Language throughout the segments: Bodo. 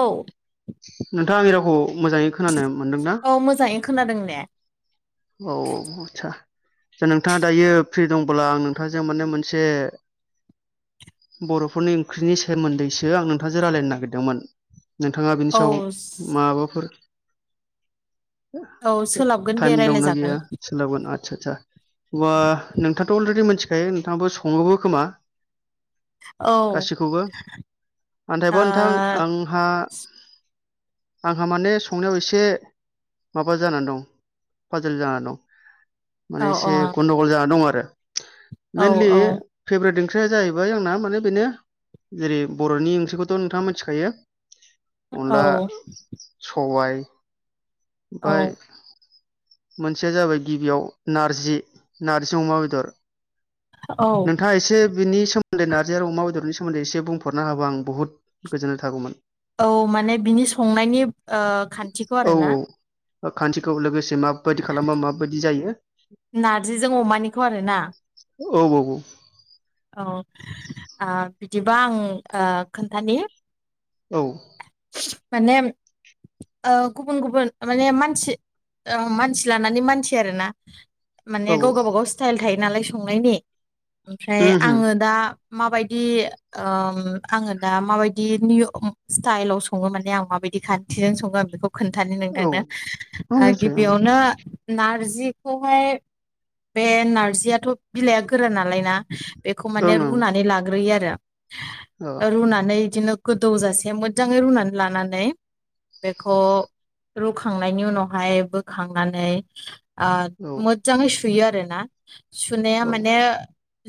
औ नोंथाङा आंनि रावखौ मोजाङै खोनानो मोनदोंना? औ मोजाङै खोनादों ने औ आथ्सा जे नोंथाङा दायो फ्रि दंबोला आं नोंथांजों माने मोनसे बर'फोरनि ओंख्रिनि सोमोन्दैसो आं नोंथांजों रायलायनो नागिर दोंमोन नोंथाङा बिनि औ सायाव माबाफोर औ सोलाबगोन दे टाइम दंना रायलायजागोन गैया सोलाबगोन आच्छा सा हुवा नोंथाङाथ' अलरेडि मिथिखायो नोंथाङाबो सङोबो खोमा? औ ओ गासैखौबो औ नाथायबा नोंथां आंहा आंहा माने संनायाव एसे माबा जानानै दं फाजोल जानानै दं। औ माने औ एसे गन्दगल जानानै दं आरो औ मइेनलि फेभरेट ओं ख्रिया जाहैबाय आंना माने बेनो जेरै बर'नि ओंख्रिखौथ' नोंथाङा मिथिखायो अनला औ सबाय औ ओमफाय मोनसेया जाबाय गिबियाव नारजि नारजि अमा बेदर औ नोंथाङा एसे बिनि सोमोन्दै नारजि आरो अमा बेदरनि स सोमोन्दै एसे बुंफोरनो हाबा आं बुहुद गोजोन्नाय थागौमोन। औ माने बिनि संनायनि खान्थिखौ आरोना खानथिखौ लोगोसे माबादि खालामब्ला माबादि जायो। नारजिजों अमानिखौ आरोना औ औ औ बिदिबा आं खोन्थानि औ माने ओ गुबुन गुबुन माने मानसि मानसि लानानै मानसि आरोना औ माने गाव गावबागाव स्टाइल थायो नालाय संनायनि ओमफ्राय उम उम आङो दा माबायदि ओं आङो दा माबायदि निय उ स्टाइलाव सङो माने आं माबायदि खान्थिजों सङो आं बेखौ खोन्थानि औ नोंथांनो औ निस्सय गिबियावनो नार नारजिखौहाय बे नारजियाथ' बिलाइआ गोरा नालाय ना बेखौ माने ओं ओं रुनानै लाग्रोयो आरो रुनानै बिदिनो गोदौ जासि मोजजाङै रुनानै लानानै बेखौ रुखांनायनि उनावहाय बोखांनानै ओ ओं मोजजाङै सुयो आरोना सुनाया औ माने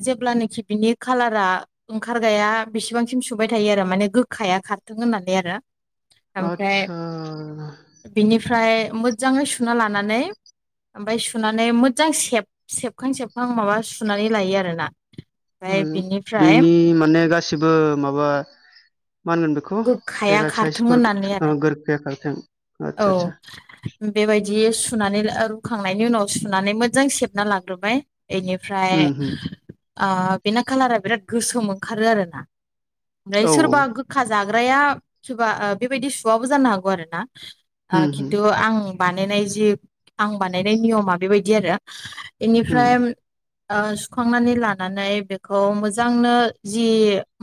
जेब्लानोाखि बिनि खाालारा ओंखारगाया बिसेबांसिम सुबाय थायो आरो माने गोखाया खार थों होननानै आरो ओमफ्राय आदसा बिनि ओमफ्राय मोजजाङै सुना लानानै ओमफ्राय सुनानै मोजां सेबखां सेबखां माबा सुनानै लायो आरोना उम ओमफ्राय बिनिफ्राय बेनि माने गासिबो माबा मा होनगोन बेखौ गोखखाया खारथों पेरासाइसफोर होननानै ओ आरो गोरखिया खारथों औ आदसा आदसा बेबायदि सुनानै आ रुख खांनायनि उनाव सुनानै मोजां सेबना लाथबाय एनिफ्राय उम उम ओ बेना खालारा बिराद गोसोम ओंखारो आरो ना ओमफ्राय औ सोरबा गोखा जाग्राया बा बेबायदि सुवाबो जानो हागौ आरो ना आं उम उम खिनथु आं बा नेनाय जि आंनि बानायनाय नियमा बेबायदि आरो बेनिफ्राय उम सुखांनानै लानानै बेखौ मोजांनो जि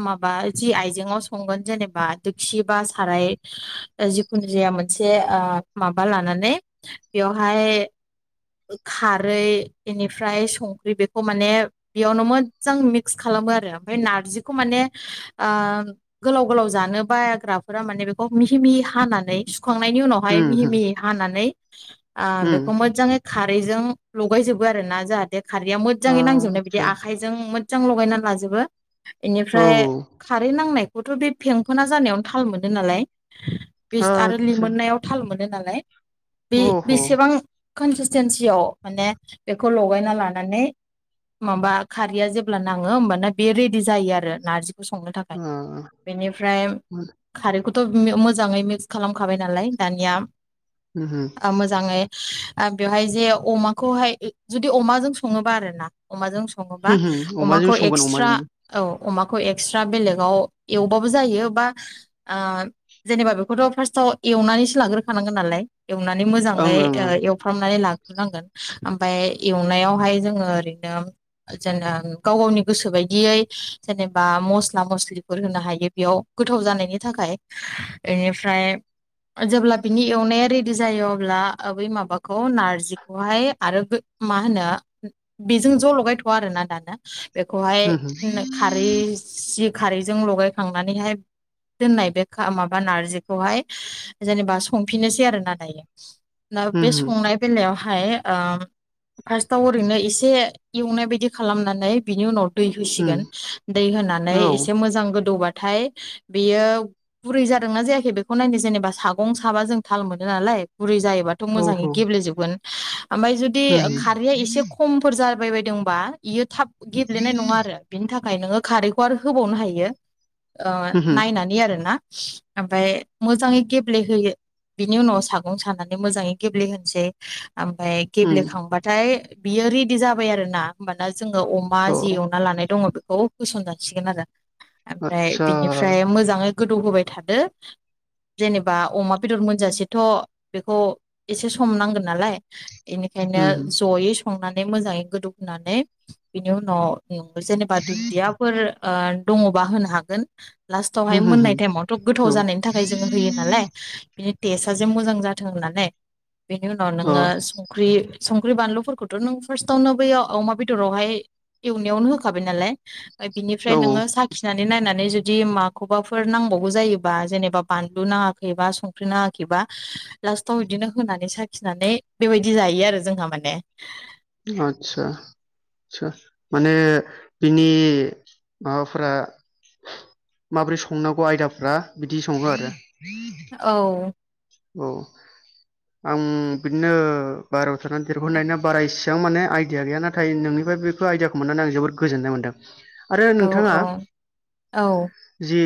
माबा जि आइजेङाव संगोन जेनेबा दोखि बा साराय जिखुनु जाया मोनसे ओ माबा लानानै बेवहाय खारै बेनिफ्राय संख्रि बेखौ माने बेयावनो मोजजां मिक्स खाला खालामो आरो ओमफ्राय नारजिखौ माने ओ गोलाव गोलाव जानो बायाग्राफोरा माने बेखौ मिहि मिहि हानानै सु खांनायनि उनावहाय मिहि उम मिहि हानानै ओ उम बेखौ उम मोजाङै खा खारैजों लगायजोबो आरो ना जाहाथे खारैया मोजजाङै नांजोबनाय बिदि आदसा आखाइजों मोथ जां लगायना लाजोबो बेनि औ फ्राय औ खारै नांनाय बेखौथ' बे फें फोना जानायावनो थाल मोनो नालाय बे आरो लि आदसा मोननायाव थाल मोनो दों नालाय बे अह' ओ बेसेबां केनसिंटन तेनिस आव मोने बेखौ खौ लगायना लानानै माबा खारैया जेब्ला नाङो होमबाना बे रेडि जायो आरो नारजि संनो थाखाय उम बेनि फ्राय उम खारैखो थ' मो मोजाङै मिक्स खालाम खाबाय नालाय दानिया उम मोजाङै ओ बेवहाय जे अमाखौ हाय जुदि अमाजों सङोबा आरो ना अमाजों स सङोबा उम अमाजों अमाखौ संगोन एक्सट्रा अमाजोंनो औ अमाखौ एक्सट्रा बेलेगाव एवबाबो जायो बा ओ जेनेबा बेखौथ' फार्स्ट आव एवना नैसो लाग्रो खानांगोन नालाय। एवनानै ओं मोजाङै ओं ओ ओं एव फ्रामनानै लाग ग्रोनांगोन । आमफ्राय एवनायाव हाय जोङो ओरैनो जेन गाव गावनि गोसो बाय दियै जेनेबा मस्ला मसलि फोर होनो हायो बेयाव गोथाव जानायनि थाखाय इनिफ्राय जेब्ला बिनि एवनाया रेडि जायो अब्ला बै माबाखौ नारजि खौहाय आरो मा होनो बेजों ज' लगायथ'वा आरोना दानो। बेखौ हाय उम खारै सि खारैजों लगाय खांनानैहाय दोननाय बे माबा नारजि खौहाय जेनेबा संफिनोसै आरो ना दायो। दा बे उम उम संनाय बेलायाव हाय ओ फार्स्टआव ओरैनो एसे एवनाय बायदि खालामनानै बिनि उनाव दै होसि उम गोन दै होनानै औ एसे गोदौ बाथाय बेयो बुरै जादोंना जायाखै बेखौ नायनो जेनेबा सागं साबा जों थाल मोनो नालाय गुरै जायोबाथ' औ मोजाङै औ गेब्लेे जोबगोन। ओमफाय जुदि उम खारैआ एसे खम फोर जाबाय बायदोंबा इयो थाब गेब्लेनाय नङा आरो बिनि थाखाय नोङो खारैखौ आरो होबावनो हायो। ओ उम नायनानै आरोना ओमफाय मोजाङै गेब्ले होयो। बिनि उनाव सागं सानानै मोजाङै गेब्ले होनसै। ओमफाय उम गेब्ले उम खांबाथाय बियो रेडि जाबाय आरो ना । जोङो अमा अ जि एवना लानाय दङ बेखौ होसन जासिगोन आरो। ओमफ्राय आदसा बिनि फ्राय मोजाङै गोदौ होबाय थादो। जेनेबा अमा बेदर मोनजा सेथ' बेखौ एसे सम नांगोन नालाय। बेनिखायनो उम ज'यै संनानै मोजाङै गोदौ होनानै बिनि उनाव जेनेबा दुन्दिया फोर ओ दङबा होनो हागोन। लास्टाव हाय उम उम मोननाय उम टाइमावथ' गोथाव औ जानायनि थाखाय जोङो होयो नालाय बिनि टेस्टआ जे मोजां जाथों होननानै बेनि उनाव अ नोङो संख्रि संख्रि बानलु फोरखौथ' नों फार्स्ट आवनो बैयो अमा बेदराव हाय एवनायावनो होखाबाय नालाय। बिनिफ्राय औ नोङो साखिना नायनानै जुदि माखौबा फोर नांबावौ जायोबा जेनेबा बानलु नाङाखै बा संख्रि नाङाखै बा लास्टाव इदिनो होनानै साखिनानै बेबायदि जायो आरो जोंहा माने। आतसा माने बिनि माबा फोरा माबोरै संनांगौ आयदाफ्रा बिदि सङो आरो? औ। औ आं बिदिनो बाहेराव थानानै देरबोनाय ना, बारा इसि बेसेबां माने आइडिया गैया, नाथाय नोंनिफ्राय बेखौ आइदियाखौ मोननानै आं जोबोद गोजोननाय मोनदों । आरो औ नोंथाङा औ औ जि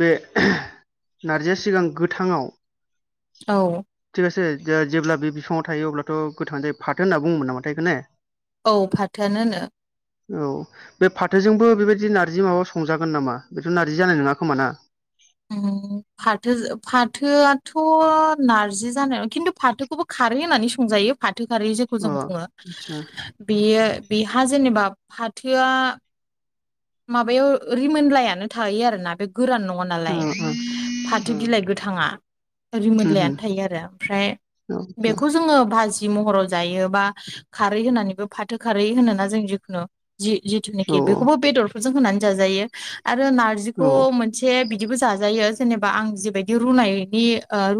बे नारजिया सिगां गोथा ङाव औ जेब्ला बे बिफाङाव थायो अब्लाथ' गोथां जायो, फाथो होनना बुङोमोन नामा थाय बिखौ ने? औ फाथो आनो होनो । औ बे फाथोजोंबो बेबायदि नारजि माबा संजा गोन नामा? बेथ' नारजि जानाय नङा? खोमाना [inaudible] फाथो फाथोआथ' नार्रजि जानायङा, खिन्थु फाथोखौबो खारो होननानै संजायो फाथो फाथो खारि जेखौ अ जों बुङो, आदसा बेयो बेहा जेनेबा फाथोया माबायाव रिमोनलायानो थायो आरोना बे गोरान नङा अ नालाय अ फाथो होम बिलाइ गोथाङा । होम रिमोनलायानो थायो आरो ओमफ्राय, औ औ बेखौ जोङो भाज जि महराव जायो बा खारै होनानै बो फाथो खारै होनोना बुंनो ना जों जिखुनु जि जिथुनिखि बेखौबो बेदरफोरजों होनानै जाजायो आरो नारजिखौ मोनसे बिदिबो जाजायो, जेनेबा आं जिबायदि रुनायनि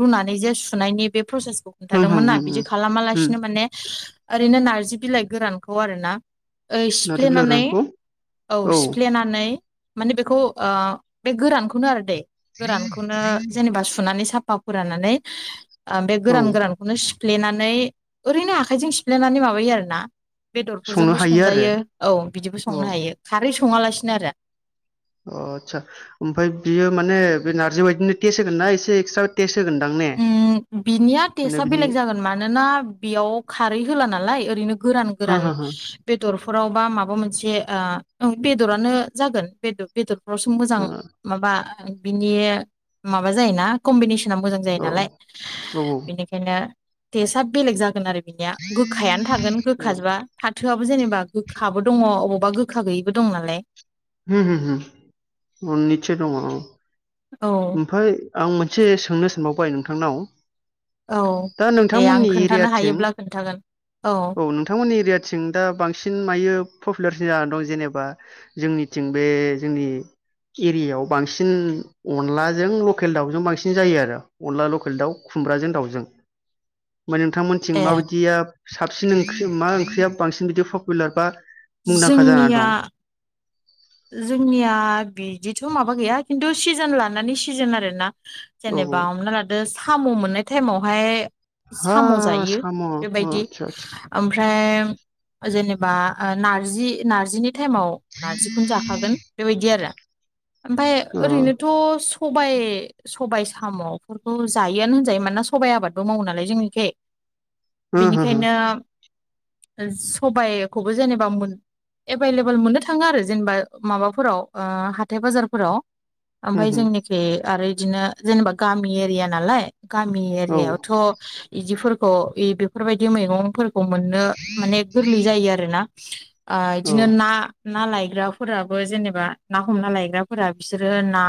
रुनानैबो जे सुनायनि प्रसेसखौ ओम होम खोन्थादोंमोन ना, ओम ओम बिदि खालामालासिनो माने ओरैनो नारजि बिलाइ गोरानखौ आरो ना नारजि बिलाइ सिफ्लेनानै गोरानखौ औ फ्लेनानै माने बेखौ ओ बे गोरानखौनो आरो दै गोरानखौनो जेनेबा सुनानै साफा फोराननानै बे औ गोरान गोरानखौनो सिफ्लेनानै ओरैनो आखाइजों सिफ्लेनानै माबायो आर ना । संनो बेदरफोरजोंबो हायो आरो संजायो औ बिदिबो औ संनो हायो । खारै सङालासिनो आरो अ आदसा, ओमफ्राय बियो माने बे नारजि बायदिनो टेस्ट होगोनना एसे एक्सट्रा टेस्ट होगोनदां ने उम बिनिया माने टेस्ट बिनि बेलेग जागोन, मानोना बेयाव खारै होला नालाय ओरैनो गोरान हो गोरान हो हो बेदरफोराव बा माबा मोनसे जे ओ बेदरानो जागोन, बेदर बेदरफ्रासो मोजां माबा बिनि माबा जायो ना, कम्बिनेसना मोजां जायो । ओ औ नालाय औ बेनिखायनो टेस्टया बेलेग जागोन आरो बिनिया गोखायानो थागोन ओ गोखाजोबा फाथोआबो जेनेबा गोखाबो दङ, अबावब अबेबा गोखा गैयिबो दं नालाय हो हो मोनैसे दङ । औ ओमफ्राय आं मोनसे सोंनो सानबावबाय नोंथांनाव औ दा दे आं नोंथांमोननि खोन्थानो एरियाथिं हायोब्ला खोन्थागोन औ नोंथांमोननि एरियाथिं दा बांसिन मायो पपुलारसिन जानानै दं जेनेबा जोंनिथिं बे जोंनि एरियायाव बांसिन अनलाजों लकेल दाउजों बांसिन जायो आरो अनला लकेल दाउ खुमब्राजों दाउजों फ्राय नोंथांमोनथिं ए माबायदिया साबसिन ओंख्रि, मा ओंख्रिया बांसिन बिदि पपुलार बा मुंदांखा जानानै जोंनिया दं जोंनिया बिदिथ' माबा गैया, खिन्थु सिजोन लानानै सिजोन आरोना औ जेनेबा हमना लादो साम' मोननाय टाइमावहाय हा साम' जायो साम' बेबायदि आदसा आदसा ओमफ्राय ओमफ्राय जेनेबा नारजि नारजिनि टाइमाव नारजिखौ जाखागोन बेबायदि आरो ओमफाय अ ओरैनोथ सबायाइ सबायाइ साम'फोरखौ जायोआनो होनजायो मानोना सबाइ आबादबो मावो नालाय जोंनिखै । हो हो हो बेनिखायनो होम सबायाइखौबो जेनेबा मोन एभलेबल मोननो थाङा आरो जेनेबा माबाफोराव हाथाय बाजारफोराव ओमफ्राय जोंनिखि आरो बिदिनो जेनेबा गामि एरिया नालाय गामि औ एरियाायावथ' इदिफोरखौ बेफोरबायदि मैगंफोरखौ मोननो माने गोरलै जायो आरोना । आ औ इदिनो ना ना लाइक ग्राफोराबो जेनेबा ना हमना लायग्राफोरा बिसोरो ना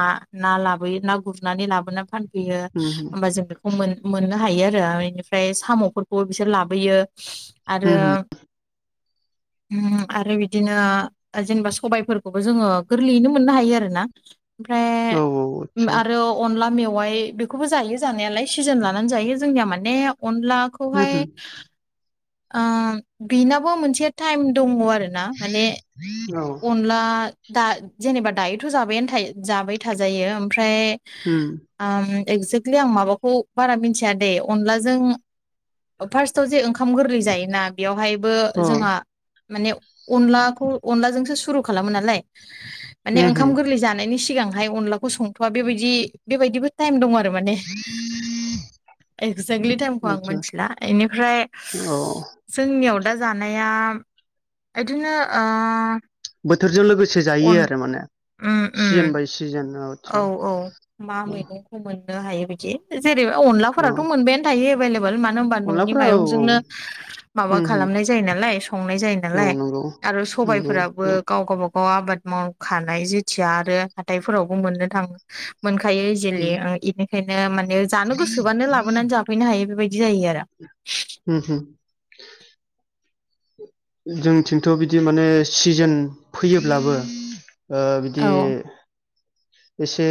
ना लाबोयो ना गुरनानै लाबो गुरना फान फैयो होम होम होमबा जों बेखौ मोन मोननो हायो आरो बेनिफ्राय साम'फोरखौबो बिसोर लाबोयो । आरो होम होम उ आरो बिदिनो जेनेबा सबायफोरखौबो जोङो गोरलैयैनो मोननो हायो आरो ना ओमफ्राय औ आदसा आरो अनला मेव य बेखौबो जायो जानायालाय सिजोन लानानै जायो जोंनिया माने होम अनलाखौहाय होम ओ बेनाबो मोनसे टाइम दङ आरो [inaudible] अनला दा जेनेबा दायोथ' जाबायानो थायो जाबाय थाजायो । ओमफ्राय होम ओम एक्जेक्टलि आं माबाखौ बारा मिथिया दे अनलाजों फार्स्टआव जे ओंखाम गोरलै जायोना बेयावहाय बो अ जोंहा माने अनलाखौ अनलाजोंसो सुरु खालामो नालाय माने होम ओंखाम होम गोरलै जानायनि सिगांहाय अनलाखौ संथ'वा बेबायदि बेबायदिबो टाइम दं आरो माने एक्जेक्टलि टाइमखौ आं आदसा मिथिला बेनिफ्राय औ जोंनियाव दा जानाया इदिनो ओ बोथोरजों लोगोसे जायो अन आरो माने उम सिजोन उम बाय सिजोन औ आदसा औ मा औ मैगंखौ मोननो हायो बिदि जेरैबा औ अनलाफोराथ' मोनबायानो थायो । मानो होनोमबा न'नि अनलाफ्रा औ औ माइरंजोंनो माबा उम उम खालामनाय जायो नालाय संनाय जायो औ नालाय नंगौ आरो नंगौ सबायफोराबो उम गाव गावबागाव व आबाद मावखानाय जेथिया आरो हाथायफोरावबो मोननो थाङो। मोनखायो इजिलि उम बेनिखायनो माने जानो गोसोबानो लाबोनानै जाफैनो हायो बेबायदि जायो आरो हु होम जोंथिंथ' बिदि माने सिजोन फैयोब्लाबो ओ बिदि एसे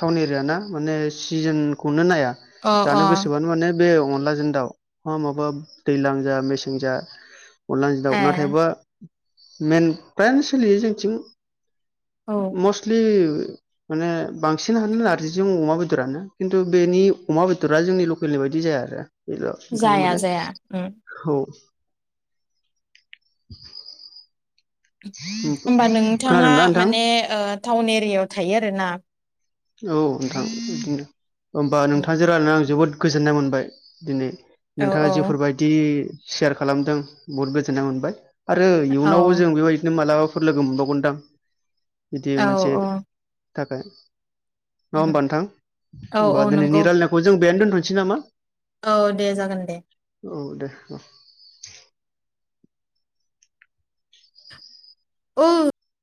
टाउन एरिया ना माने सिजोनखौनो नाया औ अ जानो अ गोसोबानो माने बे अनलाजों दाउ मा माबा दैज्लां जा मेसें जा अदला जों ए दउ नाथायबा मेन फ्रायानो सोलियो जोंथिं औ मस्टलि माने बांसिनानो नारजिजों अमा बेदरानो खिन्थु बेनि अमा बेदारा जोंनि लकेलनि बायदि जाया आरो बेल' ओंखायनो जाया माने जाया उम बेखौ [inaudible] होमबा नोंथाङा खोनादोंना नोंथां माने ओ टाउन एरियायाव थायो आरोना औ नोंथां बिदिनो होमबा उम नोंथांजों रायायनानै आं जोबोद गोजोननाय मोनबाय दिनै । औ नोंथाङा औ जेफोरबायदि सेयार खालामदों बहुद गोजोननाय मोनबाय । आरो औ इयुनावबो जों बेबायदिनो मालाबाफोर लोगो मोनबावगोनदां । बिदि औ मोनसे औ थाखाय नङा उम होमबा नोंथां औ होमबा औ नंगौ दिनैनि रायलायनायखौ जों बेहनो दोनथनोसै नामा। औ दे जागोन दे औ दे औ ओ